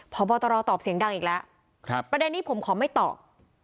พบตรตอบเสียงดังอีกแล้วประเด็นนี้ผมขอไม่ตอบ